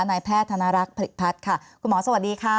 นายแพทย์ธนรักษ์ผลิตพัฒน์ค่ะคุณหมอสวัสดีค่ะ